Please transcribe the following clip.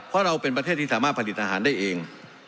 เพราะเราเป็นประเทศที่สามารถผลิตอาหารได้เอง